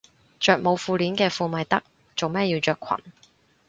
着冇褲鏈嘅褲咪得，做乜要着裙